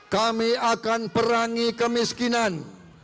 kami akan perangi kemiskinan